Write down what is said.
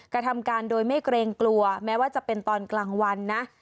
กระทำการโดยไม่เกรงกลัวแม้ว่าจะเป็นตอนกลางวันนะ